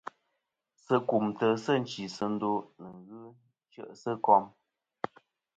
Sɨ kumtɨ sɨ nchisɨndo a ghɨ chɨ'sɨ kom.